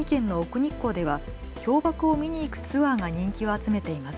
日光では氷ばくを見に行くツアーが人気を集めています。